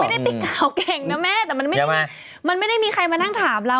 ไม่ได้ไปกล่าวเก่งนะแม่แต่มันไม่ได้มันไม่ได้มีใครมานั่งถามเรา